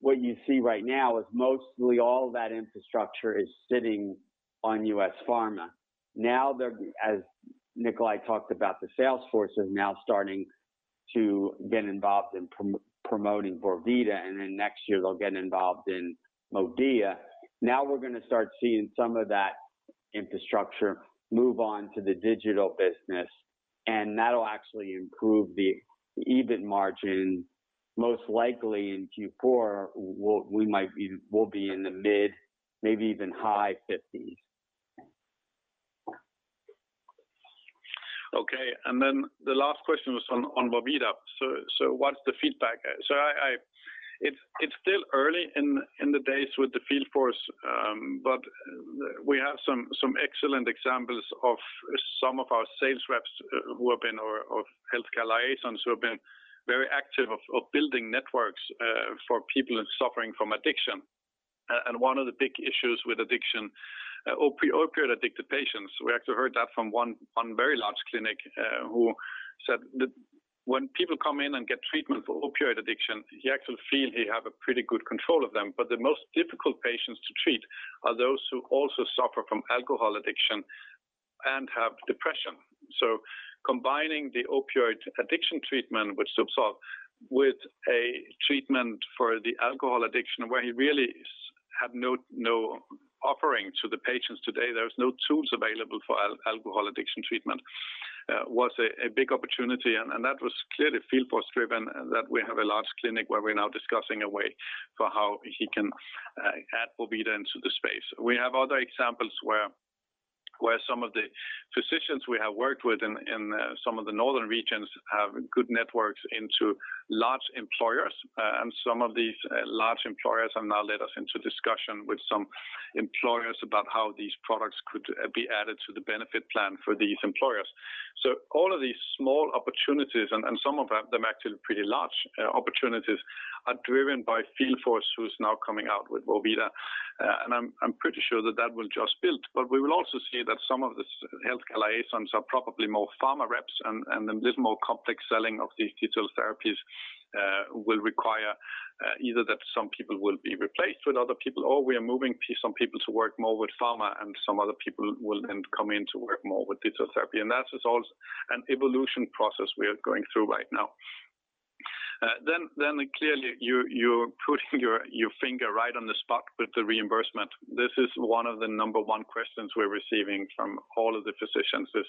what you see right now is mostly all that infrastructure is sitting on U.S. Pharma. As Nikolaj talked about, the sales force is now starting to get involved in promoting vorvida, and then next year they'll get involved in MODIA. We're going to start seeing some of that infrastructure move on to the digital business, and that'll actually improve the EBIT margin, most likely in Q4, we'll be in the mid, maybe even high 50s. The last question was on vorvida. What's the feedback? It's still early in the days with the field force, but we have some excellent examples of some of our sales reps or healthcare liaisons who have been very active of building networks for people suffering from addiction. One of the big issues with addiction, opioid-addicted patients, we actually heard that from one very large clinic who said that when people come in and get treatment for opioid addiction, he actually feels he has a pretty good control of them. The most difficult patients to treat are those who also suffer from alcohol addiction and have depression. Combining the opioid addiction treatment with Zubsolv with a treatment for the alcohol addiction, where he really had no offering to the patients today, there was no tools available for alcohol addiction treatment, was a big opportunity. That was clearly field force driven that we have a large clinic where we're now discussing a way for how he can add vorvida into the space. We have other examples where some of the physicians we have worked with in some of the northern regions have good networks into large employers. Some of these large employers have now led us into discussion with some employers about how these products could be added to the benefit plan for these employers. All of these small opportunities, and some of them actually pretty large opportunities, are driven by field force who's now coming out with vorvida, and I'm pretty sure that that will just build. We will also see that some of the healthcare liaisons are probably more pharma reps, and the little more complex selling of these Digital Therapies will require either that some people will be replaced with other people, or we are moving some people to work more with pharma, and some other people will then come in to work more with digital therapy. That is all an evolution process we are going through right now. Clearly, you're putting your finger right on the spot with the reimbursement. This is one of the number one questions we're receiving from all of the physicians is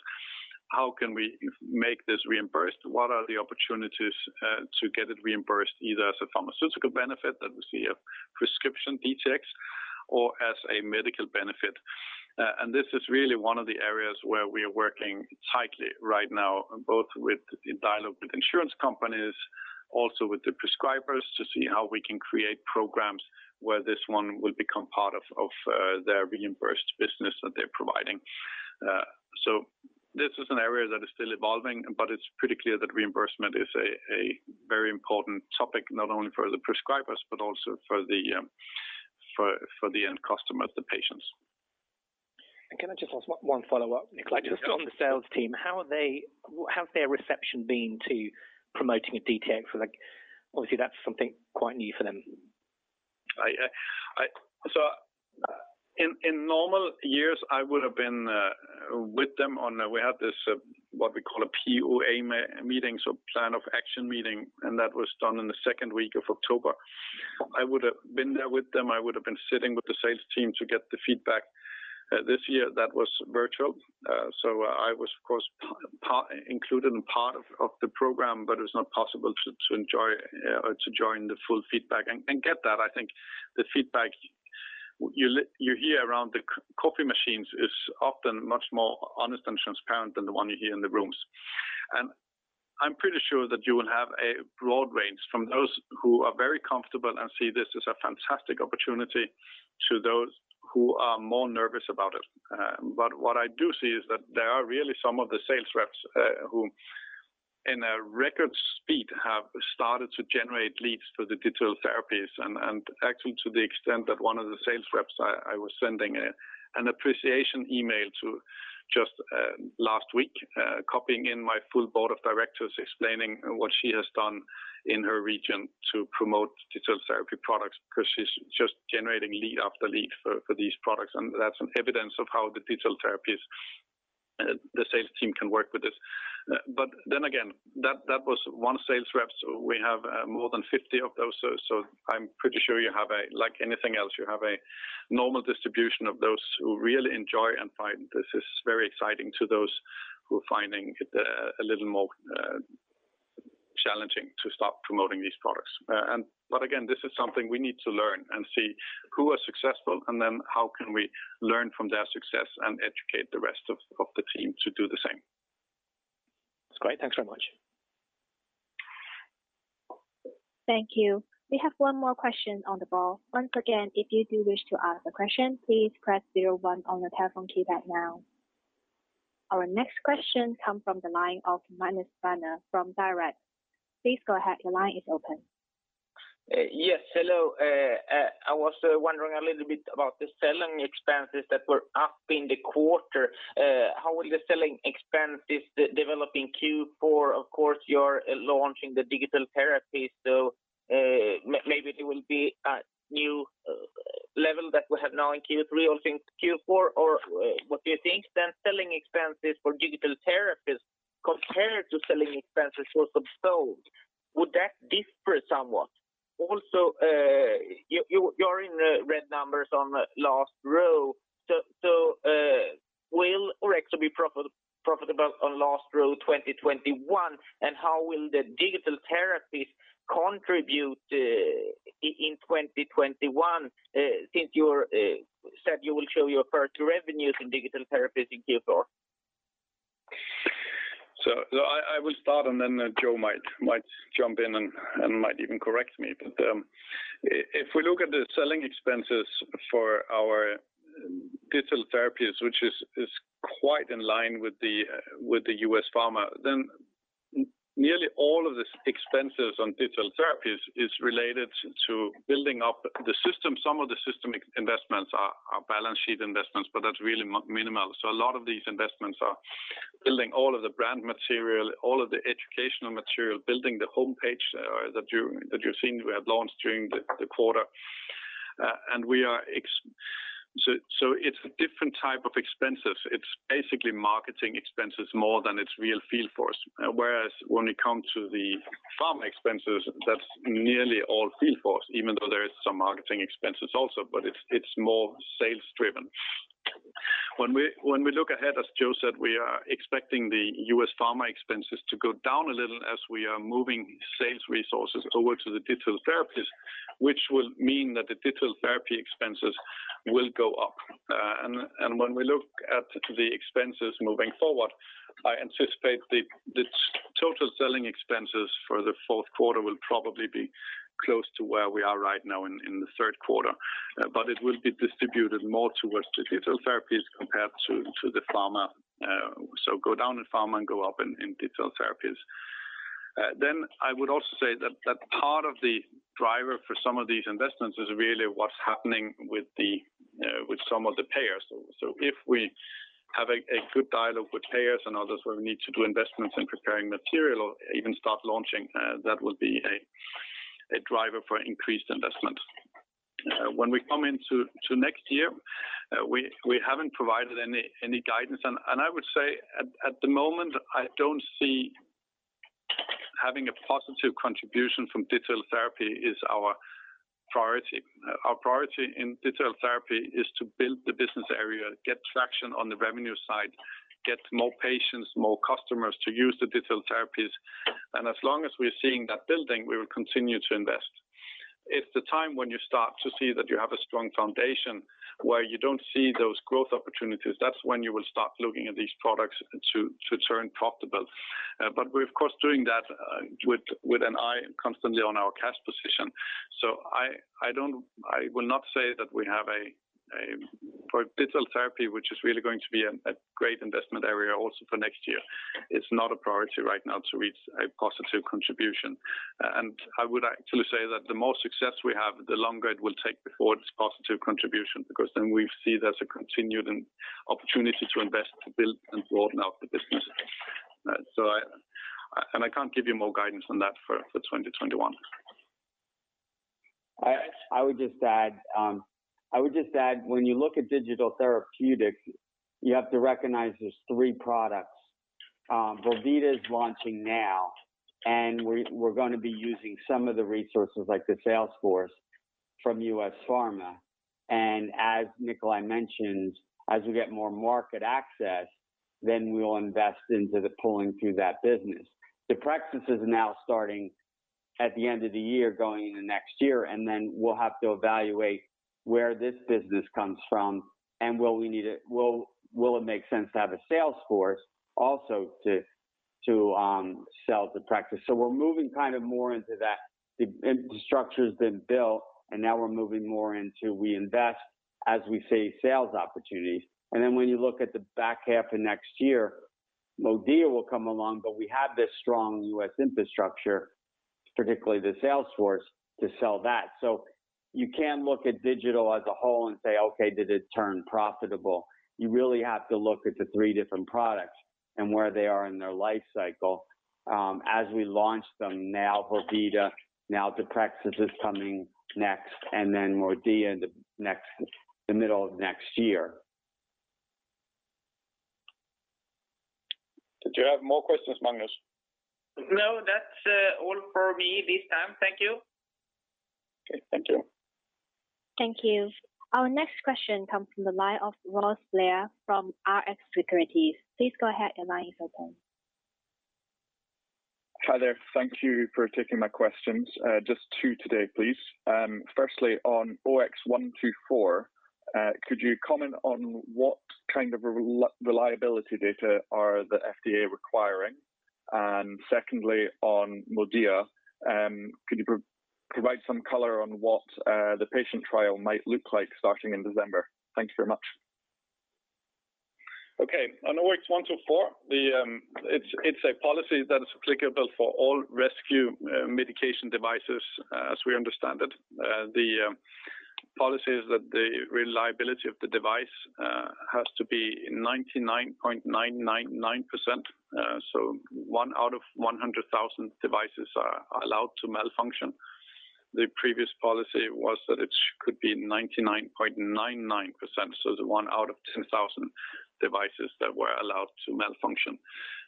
how can we make this reimbursed? What are the opportunities to get it reimbursed, either as a pharmaceutical benefit that we see a prescription DTx or as a medical benefit? This is really one of the areas where we are working tightly right now, both in dialogue with insurance companies, also with the prescribers to see how we can create programs where this one will become part of their reimbursed business that they're providing. This is an area that is still evolving, but it's pretty clear that reimbursement is a very important topic, not only for the prescribers but also for the end customer, the patients. Can I just ask one follow-up, Nikolaj? Yes. Just on the sales team, how have their reception been to promoting a DTx? Obviously, that's something quite new for them. In normal years, I would have been with them on a, we have this what we call a POA meeting, so Plan of Action meeting, and that was done in the second week of October. I would have been there with them. I would have been sitting with the sales team to get the feedback. This year, that was virtual. I was, of course, included in part of the program, but it was not possible to join the full feedback and get that. I think the feedback you hear around the coffee machines is often much more honest and transparent than the one you hear in the rooms. I'm pretty sure that you will have a broad range from those who are very comfortable and see this as a fantastic opportunity to those who are more nervous about it. What I do see is that there are really some of the sales reps who, in a record speed, have started to generate leads for the Digital Therapies, and actually to the extent that one of the sales reps I was sending an appreciation email to just last week, copying in my full board of directors, explaining what she has done in her region to promote digital therapy products because she's just generating lead after lead for these products. That's evidence of how the Digital Therapies, the sales team can work with this. Then again, that was one sales rep. We have more than 50 of those. I'm pretty sure you have, like anything else, you have a normal distribution of those who really enjoy and find this is very exciting to those who are finding it a little more challenging to start promoting these products. Again, this is something we need to learn and see who are successful and then how can we learn from their success and educate the rest of the team to do the same. That's great. Thanks very much. Thank you. We have one more question on the ball. Once again, if you do wish to ask a question, please press zero one on your telephone keypad now. Our next question come from the line of [Magnus Dana] from Direkt. Please go ahead. Your line is open. Yes. Hello. I was wondering a little bit about the selling expenses that were up in the quarter. How will the selling expenses develop in Q4? Of course, you're launching the digital therapy, so maybe there will be a new level that we have now in Q3 or in Q4. What do you think then selling expenses for Digital Therapies compared to selling expenses for Suboxone, would that differ somewhat? Also, you're in red numbers on the last row. Will Orexo be profitable on last row 2021, and how will the Digital Therapies contribute in 2021, since you said you will show your first revenues in Digital Therapies in Q4? I will start, and then Joe might jump in and might even correct me. If we look at the selling expenses for our Digital Therapies, which is quite in line with the U.S. Pharma, nearly all of the expenses on Digital Therapies is related to building up the system. Some of the system investments are balance sheet investments, that's really minimal. A lot of these investments are building all of the brand material, all of the educational material, building the homepage that you're seeing we have launched during the quarter. It's different type of expenses. It's basically marketing expenses more than it's real field force. When it comes to the Pharma expenses, that's nearly all field force, even though there is some marketing expenses also, but it's more sales driven. When we look ahead, as Joe said, we are expecting the U.S. Pharma expenses to go down a little as we are moving sales resources over to the Digital Therapies, which will mean that the digital therapy expenses will go up. When we look at the expenses moving forward, I anticipate the total selling expenses for the fourth quarter will probably be close to where we are right now in the third quarter. It will be distributed more towards the Digital Therapies compared to the Pharma. Go down in Pharma and go up in Digital Therapies. I would also say that part of the driver for some of these investments is really what's happening with some of the payers. If we have a good dialogue with payers and others where we need to do investments in preparing material or even start launching, that would be a driver for increased investment. When we come into next year, we haven't provided any guidance. I would say at the moment, I don't see having a positive contribution from digital therapy is our priority. Our priority in digital therapy is to build the business area, get traction on the revenue side, get more patients, more customers to use the Digital Therapies. As long as we're seeing that building, we will continue to invest. It's the time when you start to see that you have a strong foundation, where you don't see those growth opportunities. That's when you will start looking at these products to turn profitable. We're of course, doing that with an eye constantly on our cash position. I will not say that we have a digital therapy, which is really going to be a great investment area, also for next year. It's not a priority right now to reach a positive contribution. I would actually say that the more success we have, the longer it will take before it's a positive contribution, because then we see there's a continued opportunity to invest, to build and broaden out the business. I can't give you more guidance on that for 2021. I would just add when you look at Digital Therapeutics, you have to recognize there's three products. vorvida is launching now, and we're going to be using some of the resources like the sales force from U.S. Pharma. As Nikolaj mentioned, as we get more market access, we will invest into the pulling through that business. Deprexis is now starting at the end of the year, going into next year, and we'll have to evaluate where this business comes from and will it make sense to have a sales force also to sell Deprexis. We're moving more into that. The infrastructure has been built and now we're moving more into, we invest as we see sales opportunities. When you look at the back half of next year, MODIA will come along, but we have this strong U.S. infrastructure, particularly the sales force to sell that. You can look at digital as a whole and say, "Okay, did it turn profitable?" You really have to look at the three different products and where they are in their life cycle as we launch them now, vorvida, now Deprexis is coming next, and then MODIA in the middle of next year. Did you have more questions, Magnus? No, that's all for me this time. Thank you. Okay. Thank you. Thank you. Our next question comes from the line of Ross Blair from Rx Securities. Hi there. Thank you for taking my questions. Just two today, please. Firstly, on OX124, could you comment on what kind of reliability data are the FDA requiring? Secondly, on MODIA, can you provide some color on what the patient trial might look like starting in December? Thank you very much. Okay. On OX124, it's a policy that is applicable for all rescue medication devices as we understand it. The policy is that the reliability of the device has to be 99.999%. One out of 100,000 devices are allowed to malfunction. The previous policy was that it could be 99.99%, so the one out of 10,000 devices that were allowed to malfunction.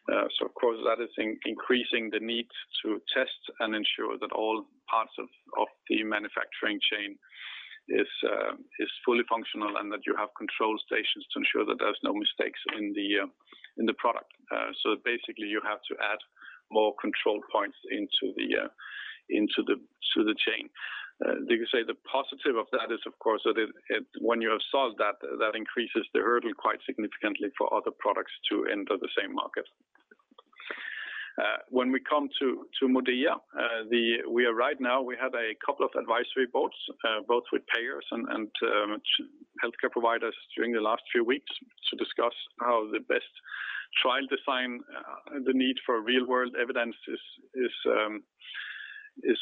Of course, that is increasing the need to test and ensure that all parts of the manufacturing chain is fully functional and that you have control stations to ensure that there's no mistakes in the product. Basically, you have to add more control points into the chain. You could say the positive of that is, of course, that when you have solved that increases the hurdle quite significantly for other products to enter the same market. When we come to MODIA, right now we have a couple of advisory boards, both with payers and healthcare providers during the last few weeks to discuss how the best trial design, the need for real-world evidence is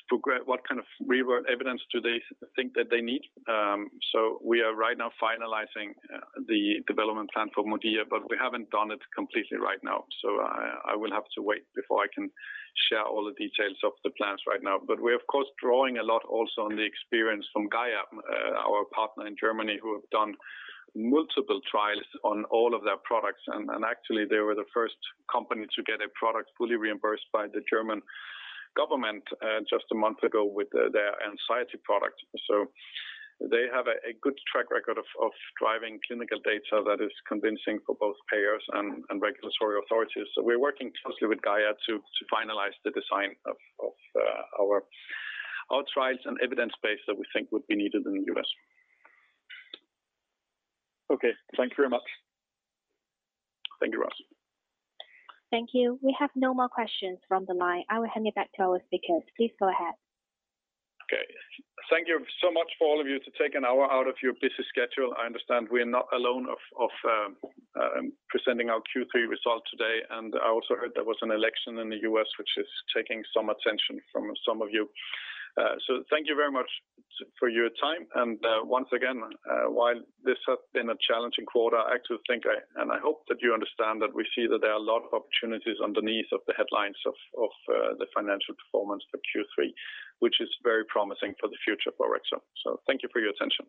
progress. What kind of real-world evidence do they think that they need? We are right now finalizing the development plan for MODIA, but we haven't done it completely right now. I will have to wait before I can share all the details of the plans right now. We're of course, drawing a lot also on the experience from GAIA, our partner in Germany, who have done multiple trials on all of their products. Actually, they were the first company to get a product fully reimbursed by the German government just a month ago with their anxiety product. They have a good track record of driving clinical data that is convincing for both payers and regulatory authorities. We're working closely with GAIA to finalize the design of our trials and evidence base that we think would be needed in the U.S. Okay. Thank you very much. Thank you, Ross,. Thank you. We have no more questions from the line. I will hand it back to our speakers. Please go ahead. Okay. Thank you so much for all of you to take an hour out of your busy schedule. I understand we are not alone of presenting our Q3 results today, and I also heard there was an election in the U.S., which is taking some attention from some of you. Thank you very much for your time. Once again, while this has been a challenging quarter, I actually think, and I hope that you understand that we see that there are a lot of opportunities underneath of the headlines of the financial performance for Q3, which is very promising for the future for Orexo. Thank you for your attention.